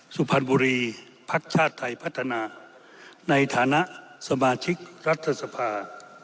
สุพรรณบุรีภักดิ์ชาติไทยพัฒนาในฐานะสมาชิกรัฐสภา